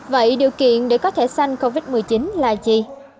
vậy điều kiện để có thể xanh covid một mươi chín là gì